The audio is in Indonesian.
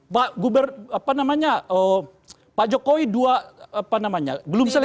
pak gubernur apa namanya pak jokowi dua apa namanya belum selesai